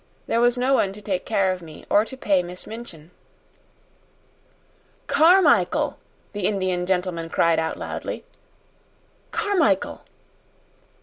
There was no one to take care of me or to pay Miss Minchin." "Carmichael!" the Indian gentleman cried out loudly. "Carmichael!"